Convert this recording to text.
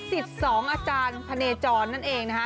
ศรี๑๒อาจารย์พะเนจรนั่นเองนะฮะ